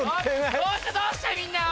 どうしたどうしたみんな。